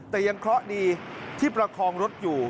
แต่ยังเคราะห์ดีที่ประคองรถอยู่